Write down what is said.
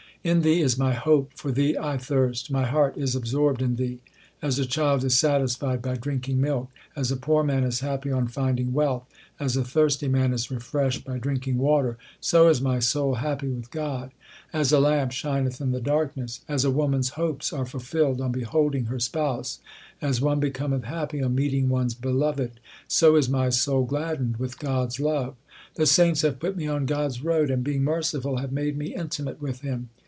In Thee is my hope, for Thee I thirst, my heart is absorbed in Thee. As a child is satisfied by drinking milk, As a poor man is happy on finding wealth, As a thirsty man is refreshed by drinking water, so is my soul happy with God. As a lamp shineth in the darkness, As a woman s hopes are fulfilled on beholding her spouse, As one becometh happy on meeting one s beloved, so is my soul gladdened with God s love. The saints have put me on God s road, And being merciful have made me intimate with Him.